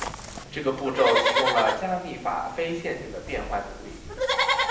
这个步骤提供了加密法非线性的变换能力。